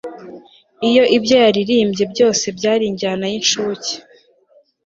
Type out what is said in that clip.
iyo ibyo naririmbye byose byari injyana y'incuke